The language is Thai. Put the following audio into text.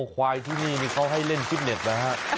ควายที่นี่เขาให้เล่นฟิตเน็ตนะฮะ